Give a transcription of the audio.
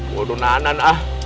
gua udah nanan ah